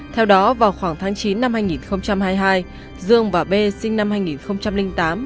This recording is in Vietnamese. theo đó vào khoảng tháng chín năm hai nghìn hai mươi hai dương và b sinh năm hai nghìn tám